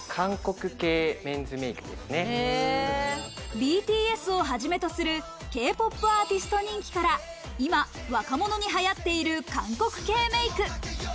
ＢＴＳをはじめとするＫ−ＰＯＰアーティスト人気から今、若者に流行っている韓国系メイク。